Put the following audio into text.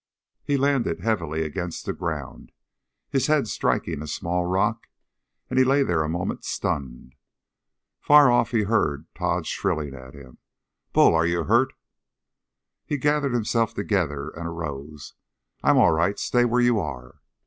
He landed heavily against the ground, his head striking a small rock; and he lay there a moment, stunned. Far off he heard Tod shrilling at him, "Bull! Are you hurt?" He gathered himself together and arose, "I'm all right. Stay where you are!"